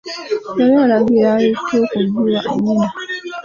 Yali yalagira Bittu okugiwa nnyina.